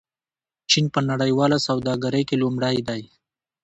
چین په نړیواله سوداګرۍ کې لومړی دی.